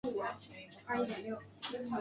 他是黎太宗黎元龙的三子。